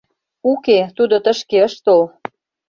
— Уке, тудо тышке ыш тол.